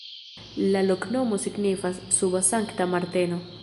La loknomo signifas: suba-Sankta Marteno.